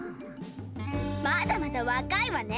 まだまだわかいわね。